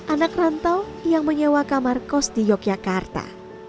anak rantau yang menyewa kamar kos di yogyakarta